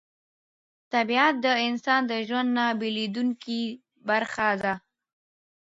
طبیعت د انسان د ژوند نه بېلېدونکې برخه ده